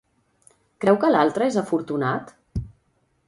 Creu que l'altre és afortunat?